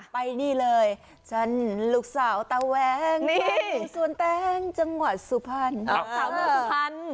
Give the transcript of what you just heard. ไปนี่เลยฉันลูกสาวตาแวงแก้งสวนแก้งจังหวัดสุพรรณ